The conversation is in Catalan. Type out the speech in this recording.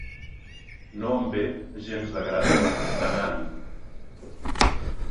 No em ve gens de grat d'anar-hi.